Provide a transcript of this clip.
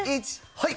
はい。